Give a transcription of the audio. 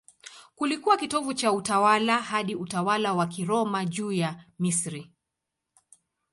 Kilikuwa kitovu cha utawala hadi utawala wa Kiroma juu ya Misri.